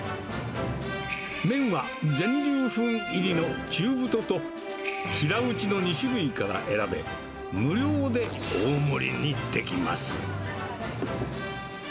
麺は全粒粉入りの中太と、平打ちの２種類から選べ、無料で大盛りにできます。